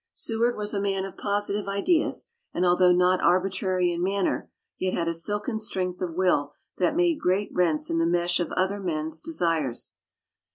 Seward was a man of positive ideas, and, although not arbitrary in manner, yet had a silken strength of will that made great rents in the mesh of other men's desires.